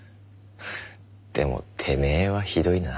でもてめえはひどいな。